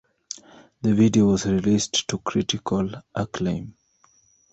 The video was released to critical acclaim.